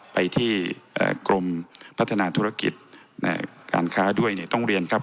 ไปที่กรมพัฒนาธุรกิจการค้าด้วยเนี่ยต้องเรียนครับ